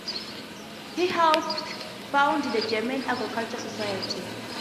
He helped found the German Agricultural Society.